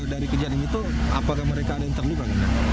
dari kejadian itu apakah mereka ada yang terluka